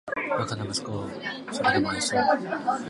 バカな息子をーーーーそれでも愛そう・・・